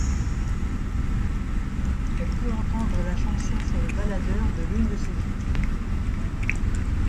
On peut entendre la chanson sur le baladeur de l'une de ses victimes.